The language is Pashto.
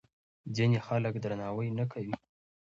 ځینې خلک درناوی نه کوي.